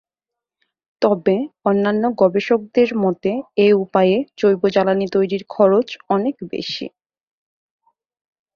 তবে অন্যান্য গবেষকদের মতে এ উপায়ে জৈব জ্বালানি তৈরির খরচ অনেক বেশি।